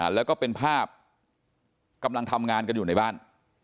แล้วก็เป็นภาพกำลังทำงานกันอยู่ในบ้าน